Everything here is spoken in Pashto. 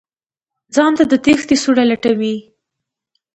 ځان ته د تېښتې سوړه لټوي.